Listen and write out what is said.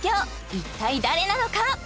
一体誰なのか？